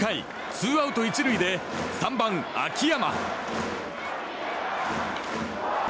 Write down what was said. ツーアウト１塁で３番、秋山。